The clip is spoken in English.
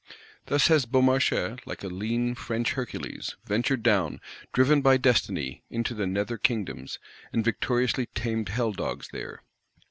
Thus has Beaumarchais, like a lean French Hercules, ventured down, driven by destiny, into the Nether Kingdoms; and victoriously tamed hell dogs there.